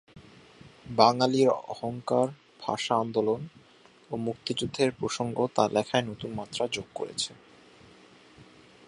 বাঙালির অহংকার ভাষা আন্দোলন ও মুক্তিযুদ্ধের প্রসঙ্গ তার লেখায় নতুন মাত্রা যোগ করেছে।